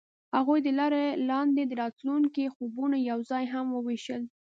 هغوی د لاره لاندې د راتلونکي خوبونه یوځای هم وویشل.